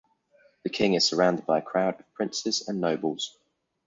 The king is surrounded by a crowd of princes and nobles.